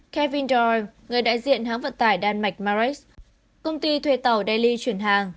kevin doyle người đại diện hãng vận tải đan mạch mares công ty thuê tàu daily chuyển hàng